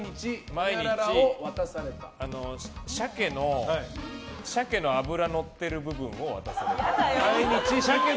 毎日シャケの脂のってる部分を渡された。